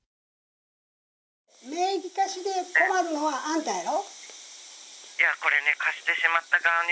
名義貸しで困るのは、あんたやろ。